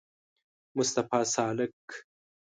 مصطفی سالک